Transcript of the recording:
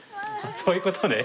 そういうことね。